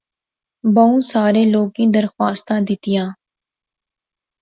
بہوں سارے لوکیں درخواستاں دیتیاں